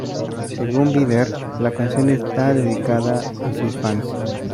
Según Bieber, la canción está dedicada a sus fans.